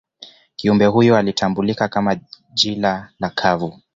kiumbe huyo alitambulika kama jila la kuvu